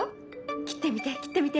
切ってみて切ってみて。